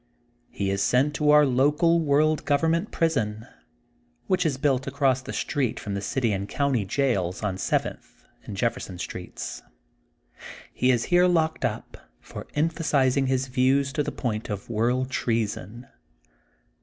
He is sent to our local World Government prison which is built across the street from the City and County Jails on Sev enth and Jefferson Streets. He is here locked up for emphasizing his views to the point of world treason.